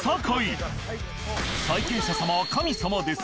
債権者様は神様です。